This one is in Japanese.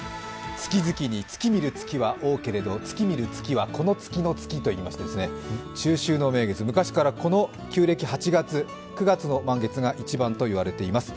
月々に月見る月は多けれど月見る月はこの月の月といいまして、中秋の名月、昔から旧暦８月、９月の満月が一番と言われています。